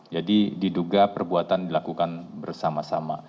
jadi diduga perbuatan dilakukan bersama sama